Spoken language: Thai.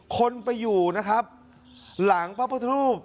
คนไปอยู่หลังพระองค์ทรูป